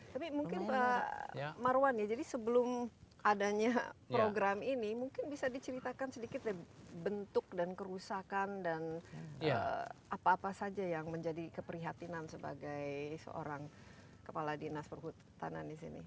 tapi mungkin pak marwan ya jadi sebelum adanya program ini mungkin bisa diceritakan sedikit bentuk dan kerusakan dan apa apa saja yang menjadi keprihatinan sebagai seorang kepala dinas perhutanan di sini